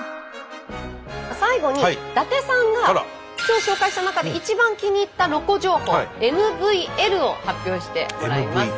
最後に伊達さんが今日紹介した中で一番気に入ったロコ情報ＭＶＬを発表してもらいます。